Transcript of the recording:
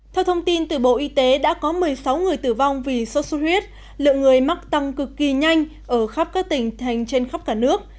theo thông tin từ bộ y tế đã có một mươi sáu người tử vong vì sốt xuất huyết lượng người mắc tăng cực kỳ nhanh ở khắp các tỉnh thành trên khắp cả nước